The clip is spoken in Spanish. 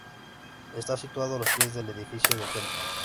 Está situado a los pies del edificio del templo.